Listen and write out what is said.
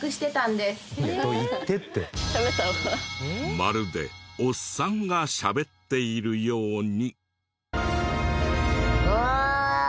まるでおっさんがしゃべっているように。